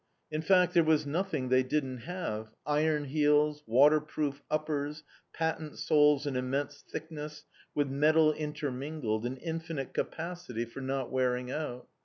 In fact there was nothing they didn't have, iron heels, waterproof uppers, patent soles an immense thickness, with metal intermingled, an infinite capacity for not wearing out.